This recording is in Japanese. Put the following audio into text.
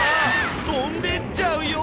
飛んでっちゃうよ！